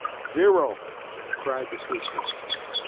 "Zero!" cried the croupier.